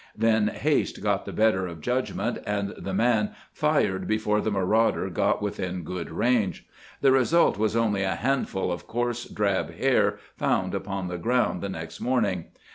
Then haste got the better of judgment, and the man fired before the marauder got within good range. The result was only a handful of coarse drab hair found upon the ground the next morning.